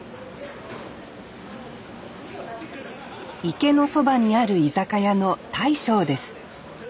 池のそばにある居酒屋の大将です。